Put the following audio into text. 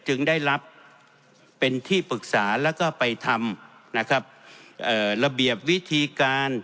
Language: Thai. จึงได้รับเป็นที่ปรึกษาแล้วก็ไปทำนะครับระเบียบวิธีการ